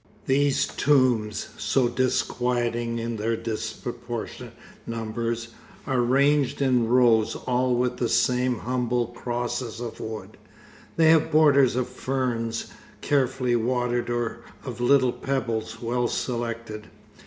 These tombs, so disquieting in their disproportionate numbers, are ranged in rows, all with the same humble crosses of wood. They have borders of ferns carefully watered, or of little pebbles, well selected.